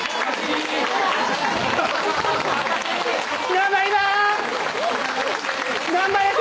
頑張ります！